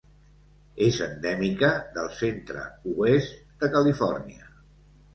És endèmica del centre-oest de Califòrnia.